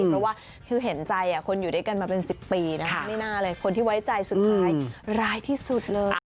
เพราะว่าคือเห็นใจคนอยู่ด้วยกันมาเป็น๑๐ปีนะคะไม่น่าเลยคนที่ไว้ใจสุดท้ายร้ายที่สุดเลย